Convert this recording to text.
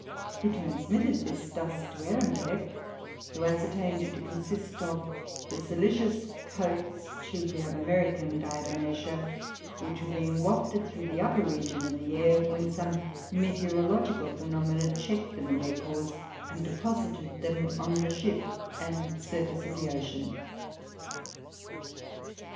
He transmitted this dust to Ehrenberg, who ascertained it to consist of the silicious coats, chiefly of American Diatomaceoe, which were being wafted through the upper region of the air, when some meteorological phenomena checked them in their course and deposited them on the ship and surface of the ocean.